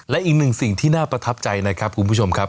และอีกหนึ่งสิ่งที่น่าประทับใจนะครับคุณผู้ชมครับ